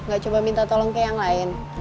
gak coba minta tolong ke yang lain